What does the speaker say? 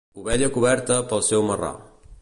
Ovella coberta pel seu marrà.